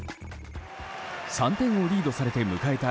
３点をリードされて迎えた